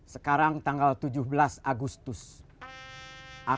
berdua orang yang tidak sekalian kabur sama sama